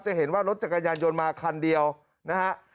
เห็นว่ารถจักรยานยนต์มาคันเดียวนะฮะ